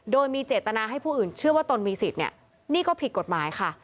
โดยมีเจตนาให้ผู้อื่นเชื่อว่าตนมีสิทธิ์เนี่ยนี่ก็ผิดกฎหมายค่ะ